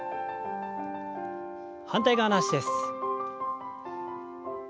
反対側の脚です。